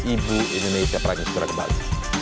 ibu indonesia perang yusuf rakyat bali